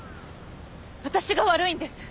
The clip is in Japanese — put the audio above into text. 私が悪いんです。